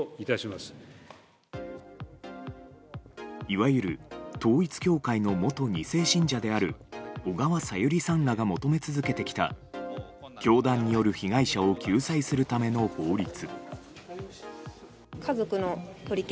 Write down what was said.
いわゆる統一教会の元２世信者である小川さゆりさんらが求め続けてきた教団による被害者を救済するための法律。